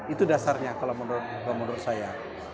itu dasarnya kalau menurut saya